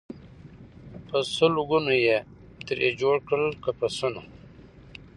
په سل ګونو یې ترې جوړ کړل قفسونه